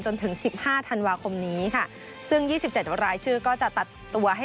จนถึงสิบห้าธันวาคมนี้ค่ะซึ่ง๒๗รายชื่อก็จะตัดตัวให้